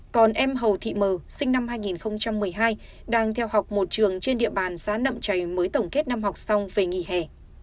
còn em hầu thị mờ sinh năm hai nghìn một mươi hai đang theo học một trường trên địa bàn xã nậm trày mới tổng kết năm học xong về nghỉ hè